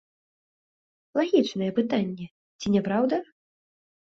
Лагічнае пытанне, ці не праўда?